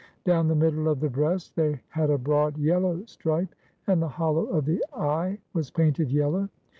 Down the middle of the breast they had a broad yellow stripe, and the hollow of the eye was painted yellow.